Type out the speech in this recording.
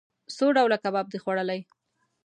څو ډوله کباب د خوړلئ؟